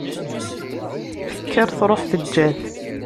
Tekker truḥ teǧǧa-t.